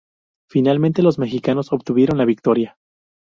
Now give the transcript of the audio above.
Finalmente los mexicanos obtuvieron la victoria.